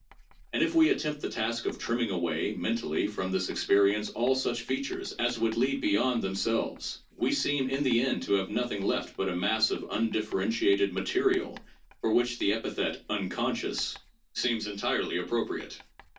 And if we attempt the task of trimming away, men tally, from this experience all such features as would lead beyond themselves, we seem in the end to have nothing left but a mass of undifferentiated 'material' for which the epithet 'unconscious' seems 3 This Joubnal, Vol. II., No. 5, p. 121. 662 THE JOURNAL OF PHILOSOPHY entirely appropriate.